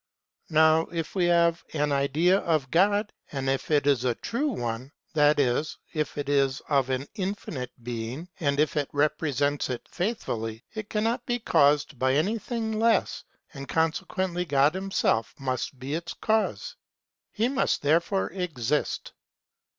Now if we have an idea of God and if it is a true one, that is, if it is of an infinite being and if it represents it faithfully, it cannot be caused by anything less, and consequently God himself must be its cause. He must therefore exist.